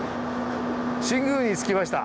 新宮に着きました。